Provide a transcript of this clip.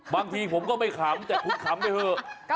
บางทีผมก็ไม่ขำแต่คุณขำไปเถอะ